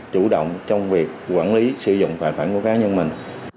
chủ động trong việc quản lý sử dụng tài khoản của cá nhân mình